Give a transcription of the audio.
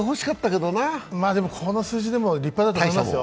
この数字でも立派だと思いますよ。